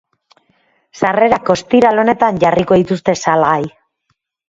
Sarrerak ostiral honetan jarriko dituzte salgai.